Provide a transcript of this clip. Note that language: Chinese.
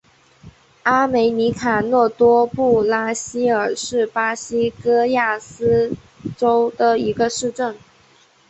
阿梅里卡诺多布拉西尔是巴西戈亚斯州的一个市镇。